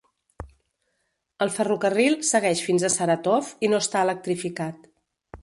El ferrocarril segueix fins a Saratov i no està electrificat.